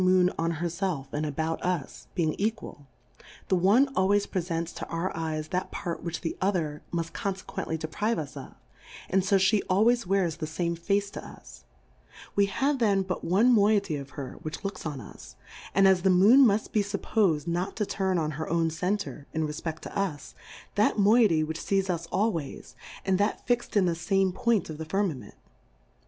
89 Moon on herfelf and about us, being equal ; the one always prefents to our Eyes that Part which the other muft confequently deprive us of, and fo fhe always wears the fame Face to us : We have then but one Moiety of her which looks on us, and as the Moon muft be fup pos'd not to turn on her own Center, in refpeft to us, that Moiety w^hich fees us always, and that fixM in the fame Point of the Firmament.